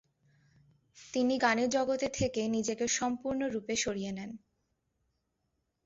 তিনি গানের জগতে থেকে নিজেকে সম্পূর্ণ রূপে সরিয়ে নেন।